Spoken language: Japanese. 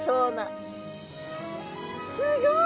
すごい！